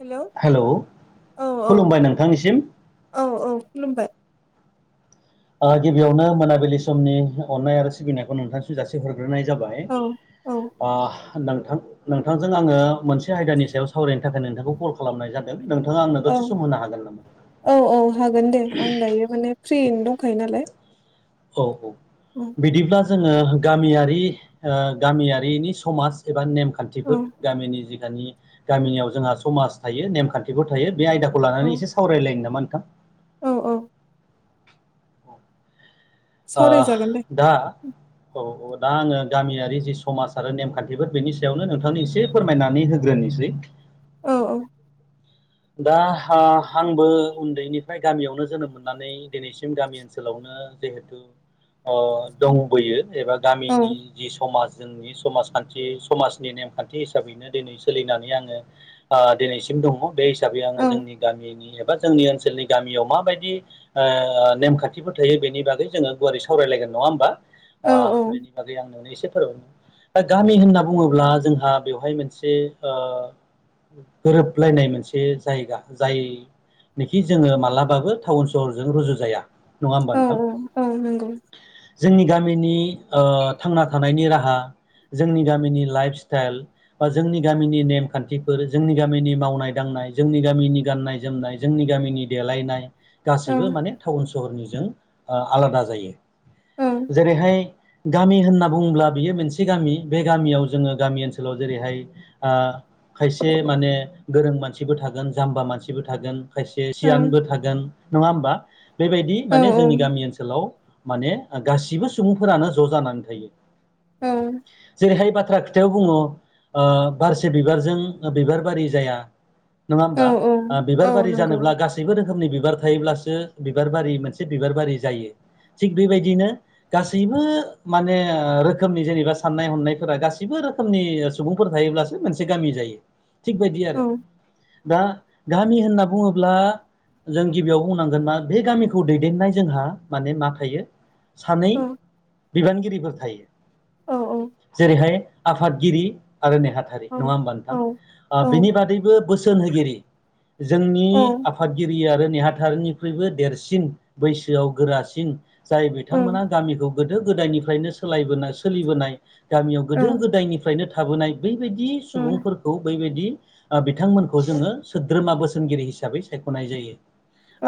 Hello हेल' औ औ खुलुमबाय नोंथांनिसिम। औ औ खुलुमबाय ओ गिबियावनो मोनाबिलि समनि अननाय आरो सिबिनायखौ नोंथांसिम जासि हर ग्रोनाय जाबाय। औ औ अ नोंथां नोंथांजों आङो मोनसे आयदानि सायाव सावरायनो थाखाय नोंथांखौ कल खालामनाय जादों। नोंथाङा आंनो औ दसे सम होनो हागोन नामा औ औ हागोन दे आं दायो माने फ्रि फ्रियैनो दंखायो नालाय। औ औ बिदिब्ला जोङो गामियारि ओ गामियारिनि समाज एबा औ नेमखान्थिफोर गामिनि जि दानि गामियाव जोंहा समाज थायो नेमखान्थिफोर थायो बे आयदाखौ औ लानानै एसे सावरायलायनायनो नामा नों औ औ। ओ सावरायजागोन दे दा औ औ दा आङो गामियारि जि समाज आरो नेमखान्थिफोर बेनि सायावनो नोंथांनो एसे फोरमायनानै होगकंनिसै औ औ दा हा आंबो उन्दैनिफ्राय गामियावनो जोनोम मोननानै दिनैसिम गामि ओनसोलावनो जिहेथु दंबोयो एबा औ गामिनि जि समाज नि समाजखान्थि समाजनि नेम खान्थि हिसाबैनो दिनै सोलिनानै आङो ओ दिनैसिम दङ बे हिसाबै आङो औ जोंनि गामिनि एबा जोंनि ओनसोलनि गामियाव माबायदि नेमखान्थिफोर थायो बेनि बागै जोङो गुवारै सावरायलायगोन नङा होमबा औ बेनि बागै आं नोंनो एसे [unintelligible] गामि होनना बुङोब्ला जोंहा बेवहाय मोनसे ओ गोरोबलायनाय मोनसे से जायगा जायनोखि जोङो मालाबाबो टाउन सहरजों रुजु जाया। औ औ औ नंगौ। जोंनि गामिनि ओ थांना थानायनि राहा जोंनि गामिनि लाइफ स्टाइल बा जोंनि गामिनि नेमखान्थिफोर जोंनि गामिनि मावनाय दांनाय जोंनि गामिनि गाननाय जोमनाय जोंनि गामिनि देलायनाय औ गासैबो माने टाउन सहरनि जों आलादा औ जायो जेरैहाय गामि होनना बुङोब्ला बियो मोनसे गामि बे गामियाव जोङो गामि ओनसोलाव जेरैहाय ओ खायसे माने गोरों मानसि बो थागोन जामबा मानसिबो थागोन खायसे सियानबो थागोन नङा होमबा? बेबायदि औ माने जोंनि गामि ओनसोलाव माने गासिबो सुबुंफोरानो ज' जानानै थायो। औ। ओरैहाय बाथ्रा खोथायाव बुङो ओ बारसे बिबारजों बिबार बारि जाया। नङा औ होमबा औ बिबार बारि नंगौ जानोब्ला गासैबो रोखोमनि बिबार थायोब्लासो बिबार बारि मोनसे बिबार बारि जायो। थिग बेबायदिनो गासैबो माने रोखोमनि जेनेबा साननाय हनायफोरा गासैबो रोखोमनि सुबुंफोर थायोब्लासो मोनसे गामि जायो थिग बिदि औ आरो। दा गामि होनना बुङोब्ला जों गिबियाव बुंनांगोन मा बे गामिखौ दैदेननाय जोंहा माने मा थायो? सानै औ बिबानगिरिफोर औ थायो जेरैहाय आफादगिरि आरो नेहाथारि नङा होमबा औ नोंथां औ ओं औ बिनि बादैबो [unintelligible] जोंनि आफादगिरि आरो नेहाथारनिख्रुइबो देरसिन बैसोआव गोरासिन जाय औ बिथांमोना गामिखौ गोदो गोदायनिफ्रायनो सोलायबोनाय सोलिबोनाय गामियाव औ गोदो गोदायनिफ्रायनो थाबोनाय बैबायदि सुबुंफोरखौ बैबायदि बिथांमोनखौ जोंओ सोद्रोमा बोसोनगिरि हिसाबै सायख'नाय जायो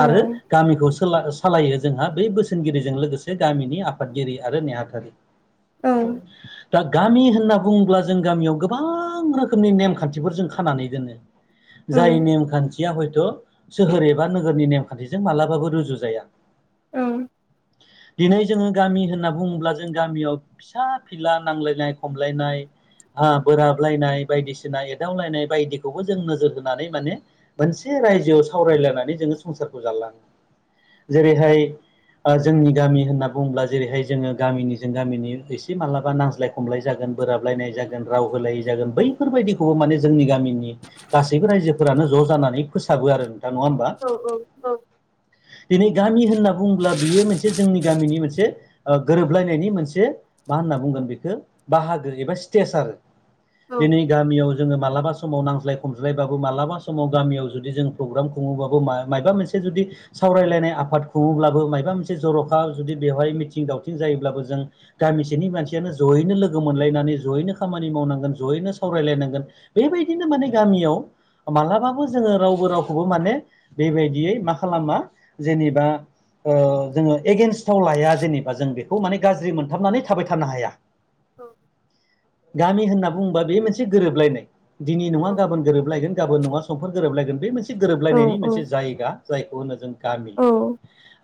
आरो गामिखौ सोला सालायो जोंहा बै बोसोनगिरिजों लोगोसे गामिनि आफादगिरि आरो नेहाथारि। औ। दा गामि होनना बुङोब्ला जों गामियाव गोबां रोखोमनि नेमखान्थिफोर जों खानानै दोनो। जाय नेमखान्थि या हयथ' सोहोर एबा नोगोरनि नेमखान्थिजों मालाबाबो रुजु जाया। औ। दिनै जोङो गामि होनना बुङोब्ला जों गामियाव फिसा फिला नांलायनाय खमलायनाय आ बोराबलायनाय बायदिसिना एदावलायनाय बायदिखौबो जों नोजोर होनानै माने मोनसे रायजोआव सावरायलायनानै जोङो संसारखौ जालाङो। जेरैहाय ओ जोंनि गामि होनना बुङोब्ला जेरैहाय जोङो गामिनिजों गामिनि एसे मालाबा नांज्लाय खमलाय जागोन। बोराबलायनाय जागोन राव होलायै जागोन बैफोरबायदिखौबो माने जोंनि गामिनि थाबो आरो नोंथां नङा होमबा औ औ औ। दिनै गामि होनना बुङोब्ला बियो मोनसे जोंनि गामिनि मोनसे ओ गोरोबलायनायनि मोनसे मा होनना बुंगोन बेखौ बाहागो एबा स्टेेज आरो। औ दिनै गामियाव जोङो मालाबा समाव नांज्लाय खमज्लायबाबो मालाबा समाव गामियाव जुदि जों पग्राम खुङोबाबो मा मायबा मोनसे जुदि सावरायलायनाय आफाद खुङोब्लाबो मायबा मोनसे जर'खा जुदि बेवहाय मिथिं दावथिं जायोब्लाबो जों गामिसेनि मानसियानो जयैनो लोगो मोनलायनानै जयैनो खामानि मावनांगोन जयैनो सावरालायनांगोन बेबायदिनो माने गामियाव मालाबाबो जोङो रावबो रावखौबो माने बेबायदियै मा खालामा जेनेबा ओ जोङो एगेेनस्टाव लाया जेनेबा जों बेखौ माने गाज्रि मोनथाबनानै थाबाय थानो हाया। [inaudible] गामि होनना बुङोबा बे मोनसे गोरोबलायनाय दिनै औ नङा गाबोन गोरोबलायगोन गाबोन नङा समफोर गोरोबलायगोन बे मोनसे औ गोरोबलायनायनि मोनसे जायगा जायखौ होनो जों गामि औ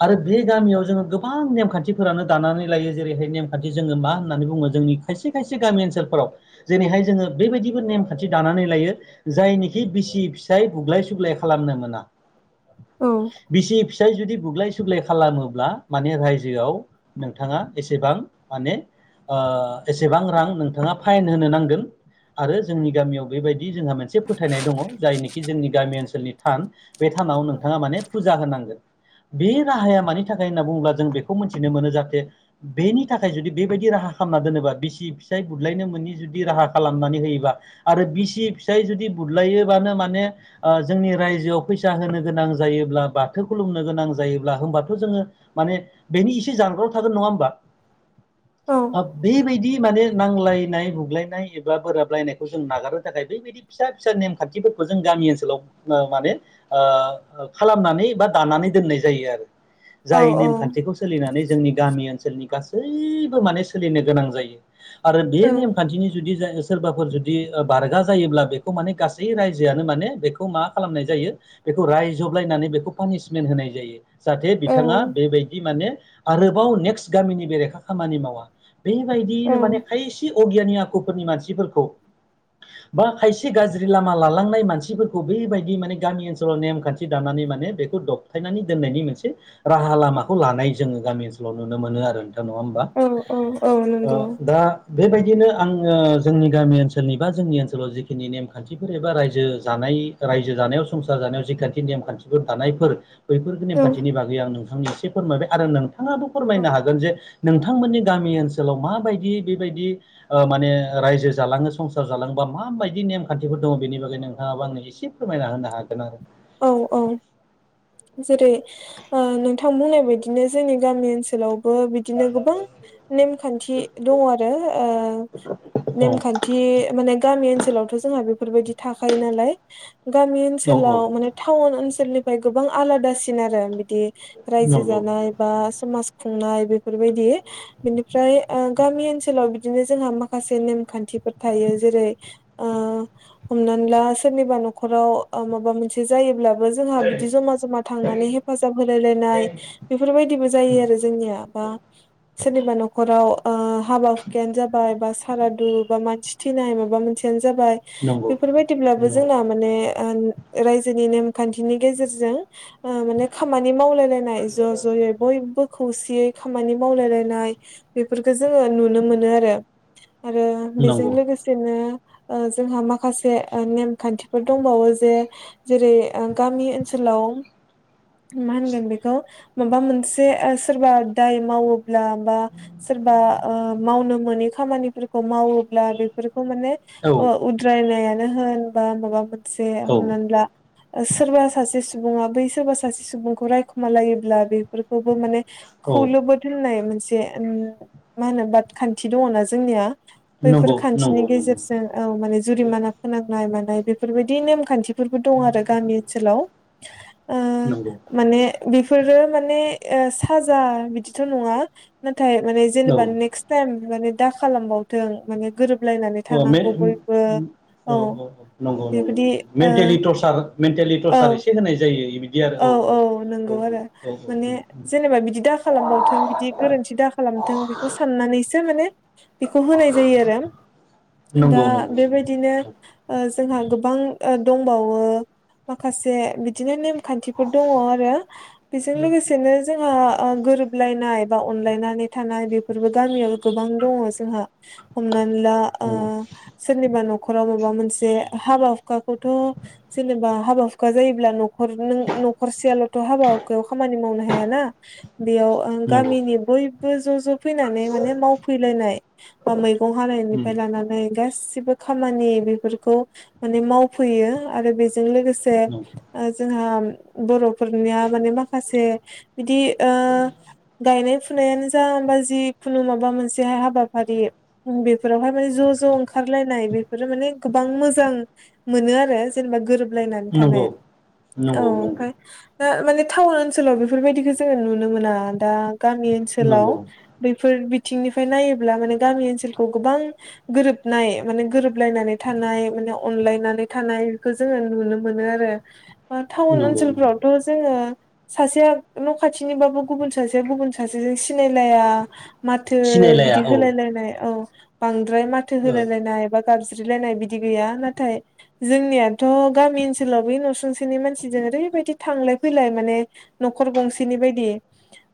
आरो बे गामियाव जोङो गोबां नेमखान्थिफोरानो दानानै लायो जेरैहाय नेमखान्थि जोङो मा होननानै बुङो जोंनि खायसे खायसे गामि ओनसोलफोराव जेरैहाय जोङो बेबायदिबो नेमखान्थि दानानै लायो जायनिखि बिसि फिसाय बुग्लाय सुग्लाय खालामनो मोना। बिसि फिसाय जुदि बुग्लाय सुग्लाय खालामो ब्ला माने रायजोआव नोंथाङा एसेबां माने ओ एसेबां रां नोंथाङा फाइन होनो नांगोन आरो जोंनि गामियाव बेबायदि जोंहा मोनसे फोथायनाय दङ जायनिखि जोंनि गामि ओनसोलनि थान बे थानाव नोंथाङा माने फुजा होनांगोन। बे राहाया मानि थाखाय होनना बुङोब्ला जों बेखौ मोनथिनो मोनो जाहाथे बेनि थाखाय जुदि बेबायदि राहा खालामना दोनोबा बिसि फिसाय बुदलायनो मोनि जुदि राहा खालामनानै होयोबा आरो बिसि फि साय जुदि बुदलायोबानो माने जोंनि रायजोआव फैसा होनो गोनां जायोब्ला बाथौखौ लु गोनां जायोब्ला होमबाथ' जोङो माने बेनि इसे जानगाराव थागोन नङा होमबा औ आ बेबायदि माने नांलाय नाय बुग्लायनाय एबा बोराबायनायखौ जों नागारनो थाखाय बेबायदि फिसा फिसा नेमखान्थिफोरखौ जों गामि ओनसोलाव माने ओ खालामनानै बा दानानै दोन्नाय जायो आरो औ जाय नेम खान्थिखौ सोलिनानै जोंनि गामि ओनसो लनि गासैबो माने सोलिनो गोनां जायो आरो बे नेम खान्थिनि जुदि सोरबाफोर जुदि बारगा जायोब्ला बे खौ माने गासै रायजोआनो माने बेखौ मा खालामनाय जायो बेखौ रायजबलायनानै बेखौ पानिसमेन्ट होनाय जायो। जाहाथे बिथाङा बेबायदि माने आरोबाव नेक्स्ट गामिनि बेरेखा खामानि मावा बेबायदिनो माने खायसे अगियानि आखुफोरनि मानसिफोरखौ बा खायसे गाज्रि लामा लालांनाय मानसिफोरखौ बेबायदि माने गामि ओनसोलाव नेमखान्थि दानानै माने बेखौ दबथाय नानै दोननायनि मोनसे राहा लामाखौ लानाय जोङो गामि ओनसोलाव नुनो मोनो आरो नोंथां नंङा होमबा औ औ औ ओ नंगौ दा बेबायदिनो आंङो जोंनि गामि ओनसोलनि बा जोंनि ओनसोलाव जि खिनि नेमखान्थिफोर एबा रायजो जानाय रायजो जानायाव संसार जानायाव जिखान्थि नेमखान्थिफोर थानायफोर बैफोर नेमखान्थिनि बागै आं नोंथांनि एसे फोरमायबाय आरो नोंथाङाबो फोरमायनो औ हागोन जे नोंथांमोननि गामि ओनसोलाव माबायदि बेबायदि ओ माने रायजो जालाङो संसार जालाङोबा माबायदि नेमखान्थिफोर दङ बेनि बागै नोंथाङाबो आंनो एसे फोरमायना होनो हागोन आरो औ औ जेरै ओ नोंथां बुंनाय बायदिनो जोंनि गामि ओनसोलाव बो बिदिनो गोबां नेमखान्थि दङ' आरो ओ नेमखान्थि माने गामि ओनसोलावथ' जोंहा बे फोरबायदि थाखायो नालाय गामि औ ओनसोलाव माने ओनसोलनिफ्राय गोबां आलादासिन आरो बिदि रायजो औ औ जानाय बा समाज खुंनाय बेफोरबायदि बेनिफ्राय ओ गामि ओनसोलाव बिदिनो जोंहा माखासे नेमखान्थि बेफोर थायो जेरै ओ हमनानै ला सोरनिबा न'खराव माबा मोनसे जायोब्ला बो जोंहा बिदि जमा जमा थांनानै हेफाजाब होलायलायनाय बेफोर बायदिबो नंगौ आरो जोंनिया। बा सोरनिबा न'खराव ओ हाबा हुखायानो जाबाय बा सारादु बा मानसि थिनाय माबा मोनसेयानो जाबाय नंगौ बेफोरबायाददिब्लाबो नंगौ जोंना माने। ओ रायजोनि नेमखान्थिनि गेजेरजों। बा माने खामानि मावलायलायनाय ज' ज'यै बयबो। खौसेयै खामानि मावलायलायनाय बेफोरखौ जोङो नुनो मोनो आरो। आरो बेजों नंगौ लोगोसेनो ओ जोंहा माखासे नेमखान्थिफोर दंबावो जे जेरै गामि ओनसोलाव मा होनगोन बेखौ माबा मोनसे ओ सोरबा दाय मावोब्ला बा सोरबा ओ मावनो मोनै खामानिफोरखौ मावोब्ला बेफोरखौ माने ओ औ उद्रायनायानो होन बा माबा मोनसे हम'नानै ला सोरबा सासे सुबुङा बै सोरबा सासे सुबुंखौ रायखुमा लायोब्ला, बेफोरखौबो माने औ औ खौलोबोद होननाय मोनसे उम मा होनो बाद खान्थि दङना जोंनिया। बैफोर नंगौ खान्थिनि नंगौ नंगौ गेजेरजों औ माने जुरिमाना फोनांनाय मानाय बेफोरबायदि नेमखान्थि फोरबो दं आरो गामि ओनसोलाव। ओ नंगौ माने बेफोरो ने ओ साजा बिदिथ' नङा नाथाय माने जेनेबा औ नेक्स टाइमे माने दा खालामबावथों माने गोरोबलायनानै औ मे थानांगौ बयबो औ नंगौ नंगौ बेबायदि नंगौ मेन्टेलि ओ टरचार मेन्टेलि टरचार एसे होनाय जायो। बिदि आरो औ औ औ नंगौ आरो औ औ माने जेनेबा बिदि दा खालामबावथों बिदि गोरोन्थि दा खालाम खामथों बेखौ साननानैसो माने बेखौ होनाय जायो आरो दा नंगौ नंगौ बेबायदिनो ओ जोंहा गोबां दंबावो माखासे बिदिनो नेम खान्थिफोर दङ आरो बेजों लोगोसेनो जोंहा ओ गोरोबलायनाय बा अनलायनानै थानाय बेफोरबो गामियाव गोबां दङ जोंहा। हमना ला ओ नंगौ सोरनिबा न' खराव माबा मोनसे हाबा हुखाखौथ' जेनेबा हाबा हुखा जायोब्ला न' खर नों न'खरसेयाल'थ' हाबा हुखायाव खामानि मावनो हायाना। बेयाव नंगौ गामिनि बयबो ज' ज' फैनानै माने मावफैलायनाय बा मैगं हानाय उम नायनिफ्राय लानानै गास सिबो खामानि बेफोरखौ माने मावफैयो आरो बेजों लोगोसे नंगौ ओ ओ बर'फोरनिया माने माखासे बिदि ओ गायनाय फु फुनायानो जा बा जिखुनु माबा मोनसेहाय हाबाफारि बेफोरावहाय माने ज' ज' ओंखार लायनाय बेफोरो माने गोबां मोजां मोनो आरो। जेनेबा गोरोब लायनानै थानाय। नंगौ औ नंगौ नंगौ ओमफाय दा माने टाउन ओनसोलाव बेफोरबायदिखो जोङो नुनो मोना। दा गामि ओनसोलाव नंगौ बैफोर बि थिंनिफ्राय नायोब्ला माने गामि ओनसोलखौ गोबां गोरोबनाय माने गोरोबलायनानै थानाय नो अनलायनानै थानायखौ जोङो नुनो मोनो आरो। बा टाउन नंगौ नंगौ ओनसोलफोरावथ' जोङो सासेया न' खाथिनिबाबो गुबुन सासेया गुबुन सासेजों सिनायलाया। माथो सिनायलाया बिदि औ होलायलायनाय औ बांद्राय माथो ओ होलायलायनाय बा गाबज्रिलायनाय बिदि गैया। नाथाय जोंनियाथ' गामि ओनसोलाव बि न'सुंसे नि मानसिजों ओरैबायदि थांलाय फैलाय माने न'खर गंसेनि बायदि।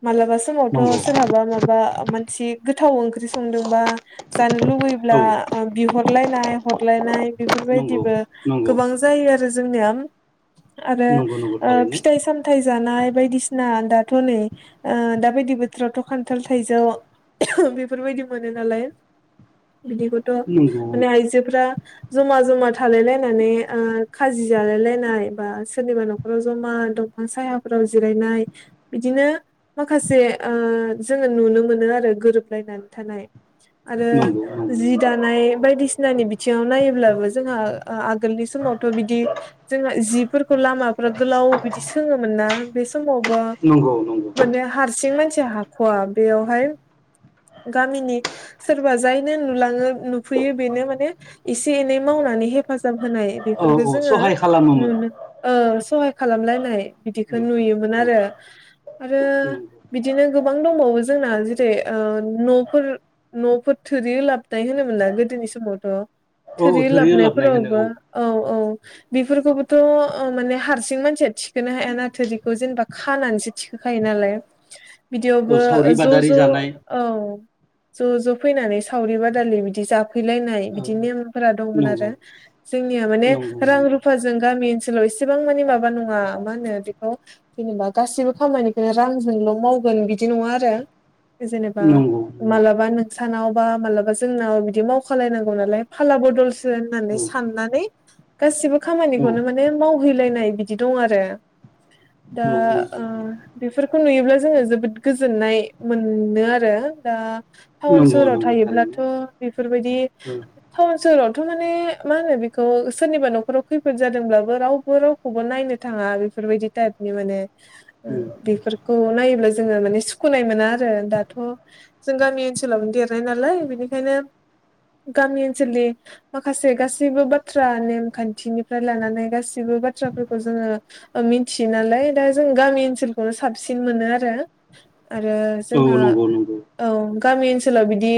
मालाबा समावथ' नंगौ सोरहाबा माबा मानसि गोथाव ओंख्रि संदोंबा जानो लुबैब्ला औ ओ बिहरलायनाय हरलायनाय नंगौ बेफोरबायदिबो नंगौ गोबां जायो आरो जोंनिया। आरो नंगौ नंगौ ओ थारैनो फिथाइ सामथाइ जानाय बायदिसिना दाथ' नै ओ दा बायदि बोथोरावथ' खान्थाल, थाइजौ बेफोरबायदि मोनो नालाय। बिदिखौथ' नंगौ माने आइजोफ्रा जमा जमा थालायलायनानै ओ खाजि जालाय लायनाय बा सोरनिबा न'खराव जमा दंफां साहाफोराव जिरायनाय, बिदिनो माखासे ओ जोङो नुनो मोनो आरो गोरोबलायनानै थानाय। आरो नंगौ नंगौ जि नंगौ दानाय बायदिसिनानि बिथिङाव नायोब्लाबो जोंहा आगोलनि समावथ' बिदि जोंहा जिफ फोरखौ लामाफ्रा गोलाव बिदि सोङोमोनना। बे समावबो नंगौ नंगौ माने हारसिं मानसि हाख'वा, बेयावहाय गामिनि सोरबा जायनो नुलाङो नुफैयो बेनो माने एसे एनै माव नानै हेफाजाब होनाय औ बेफोरखौ औ जोङो सहाय खालामोमोन नुनो ओ सहाय खालामलायनाय औ बिदिखौ नुयोमोन औ आरो आरो नंगौ बिदिनो गोबां दंबावो जोंना जेरै ओ न'फोर न'फोर थोरि लाबनाय होनोमोनना गोदो। नि समावथ' औ औ थोरि ओलाबनाय होनो लाबनायफोरावबो औ औ बेफोरखौबोथ' माने हारसिं मानसिया थिखोनो हायाना थोरिखौ जेनेबा खानानैसो थिखोखायो नालाय। औ बिदियावबो सावरि ज' बादारि ज' जानाय औ। ज' ज' फैनानै सावरि बादालि बिदि जाफैलायनाय औ बिदि नेमफोरा दंमोन नंगौ आरो जोंनिया माने नंगौ रां रुफाजों गामि ओनसोल इसेबां मानि माबा नङा मा होनो बेखौ जेनेबा गासिबो खामानिखौनो रांजोंल' मावगोन। बिदि नङा आरो जेनेबा नंगौ नंगौ मालाबा नों सानावबा मालाबा जोंनाव बिदि माव खालायनांगौ नालाय फाला बदलसो होननानै औ साननानै गासिबो औ खामानिखौनो माने मावहैलायनाय बिदि दं आरो। दा औ औ ओ बेफोरखौ नुयोब्ला जोङो जोबोद गोजोननाय मोनो आरो। दा टाउन नंगौ सोहराव नंगौ थायोब्ला थारैनो थ' बेफोरबायदि औ टाउन सोहोरावथ' माने मा होनो बेखौ सोरनिबा न'खराव खैफोद जादोंब्लाब रावबो रावखौबो नायनो थाङा बेफोरबायदि टायपनि माने ओ बेफोरखौ नायोब्ला जोङो माने सुखुनाय मोना आरो दाथ' जों गामि ओनसोलावनो देरनाय नालाय बेनिखायनो गामि ओनसोलनि माखासे गासैबो बाथ्रा नेमखान्थिनिफ्राय लानानै गासै गासिबो बाथ्राफोरखौ जोङो मिथियो नालाय दा जों गामि ओनसोलखौनो साबसिन मोनो आरो आरो औ जोंहा। नंगौ नंगौ औ गामि ओनसोलाव बिदि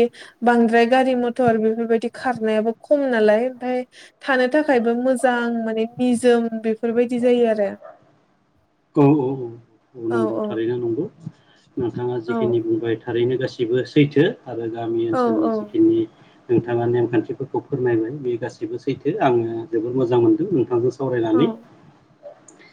बांद्राय गारि मथर बेफोरबायदि खारनायाबो खम नालाय। ओमफ्राय थानो थाखायबो मोजां माने निजोम बेफोरबायदि जायो आरो औ औ औ। औ औ आ जिखिनि औ बुंबाय थारैनो गासिबो सैथो आरो गामि औ ओनसोलनि औ जिखिनि नोंथाङा नेमखान्थिफोरखौ फोरमायबाय बे गाससिबो सैथो आङो जोबोर मोजां मोनदों नोंथांजों सावरायनानै औ